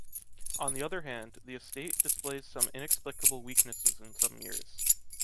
On the other hand, the estate displays some inexplicable weaknesses in some years.